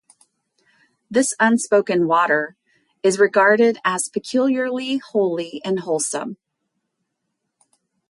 "This "unspoken water" is regarded as peculiarly holy and wholesome."